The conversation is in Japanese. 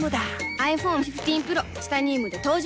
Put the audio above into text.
ｉＰｈｏｎｅ１５Ｐｒｏ チタニウムで登場